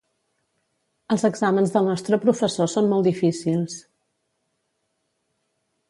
Els exàmens del nostre professor són molt difícils.